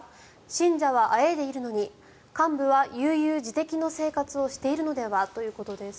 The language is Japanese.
信者はあえいでいるのに患部は悠々自適の生活をしているのでは？ということです。